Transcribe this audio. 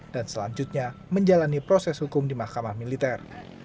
dan selanjutnya menjalani proses hukum di mahkamah militer